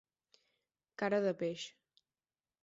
Cara de peix.